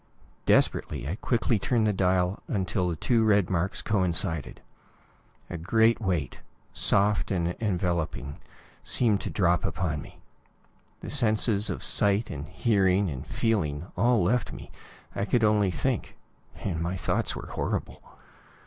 Desperately, I quickly turned the dial until the two red marks coincided. A great weight, soft and enveloping, seemed to drop upon me. The senses of sight and hearing and feeling all left me. I could only think and my thoughts were horrible.